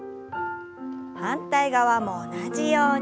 反対側も同じように。